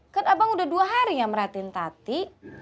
kan abang udah dua hari ya merhatiin tati